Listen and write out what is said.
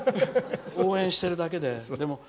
応援してるだけで。